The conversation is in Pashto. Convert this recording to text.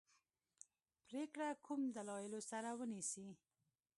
پرېکړه کوم دلایلو سره ونیسي.